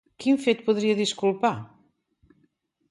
Quin fet podria disculpar?